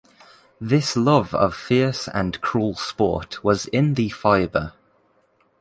This love of fierce and cruel sport was in the fiber.